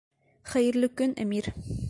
Хәйерле көн, Әмир.